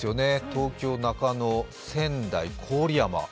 東京・中野、仙台、郡山。